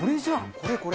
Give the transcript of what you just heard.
これこれ。